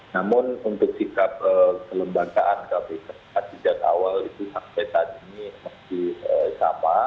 namun untuk sikap kelembagaan kpk sejak awal itu sampai saat ini masih sama